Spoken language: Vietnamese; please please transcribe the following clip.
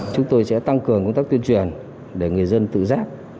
chúng tôi sẽ tăng cường công tác tuyên truyền để người dân tự giác